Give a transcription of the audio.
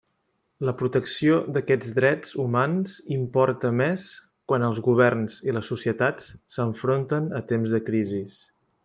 La protecció d'aquests drets humans importa més quan els governs i les societats s'enfronten a temps de crisis.